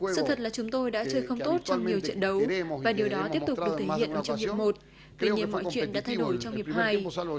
sự thật là chúng tôi đã chơi không tốt trong nhiều trận đấu và điều đó tiếp tục được thể hiện trong trận đấu một tuy nhiên mọi chuyện đã thay đổi trong trận đấu hai